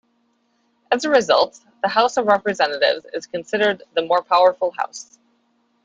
As a result, the House of Representatives is considered the more powerful house.